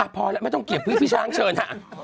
พอแล้วไม่ต้องเกลียดพี่ช้างเชิญค่ะ